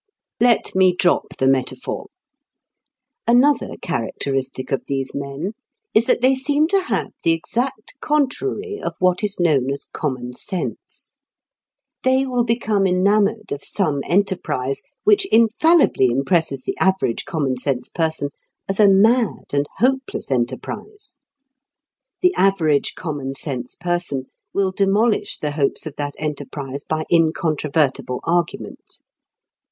Let me drop the metaphor. Another characteristic of these men is that they seem to have the exact contrary of what is known as common sense. They will become enamoured of some enterprise which infallibly impresses the average common sense person as a mad and hopeless enterprise. The average common sense person will demolish the hopes of that enterprise by incontrovertible argument.